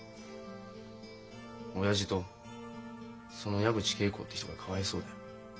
親父とその矢口桂子って人がかわいそうだよ。